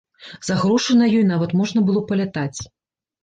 За грошы на ёй нават можна было палятаць.